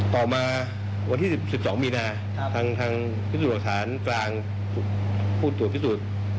ต่อมาวันที่๑๒มีนาทางพิสูจน์หลักฐานกลางผู้ตรวจพิสูจน์